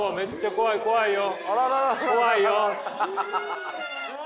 怖いよ。